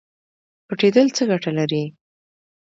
پټیدل څه ګټه لري؟